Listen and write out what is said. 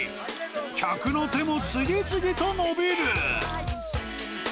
客の手も次々と伸びる。